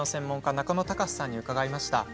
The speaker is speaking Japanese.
中野貴司さんに伺いました。